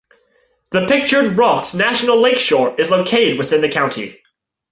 The Pictured Rocks National Lakeshore is located within the county.